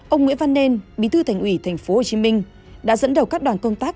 ông nguyễn văn nên bí thư thành ủy tp hcm đã dẫn đầu các đoàn công tác